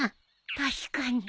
確かに。